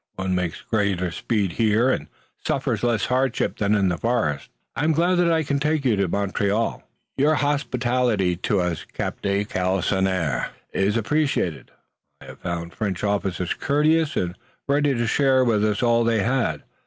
One makes greater speed here and suffers less hardship than in the forest." "I am glad that I can take you to Montreal." "Your hospitality to us, Captain de Galisonnière, is appreciated. I have found French officers courteous and ready to share with us all they had.